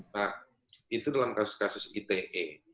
nah itu dalam kasus kasus ite